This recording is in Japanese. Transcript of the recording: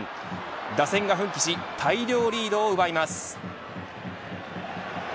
打線が奮起し大量リードを奪います。